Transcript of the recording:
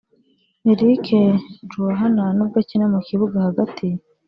Eric Joahanna nubwo akina mu kibuga hagati